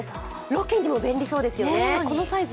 ロケにも便利そうですよね。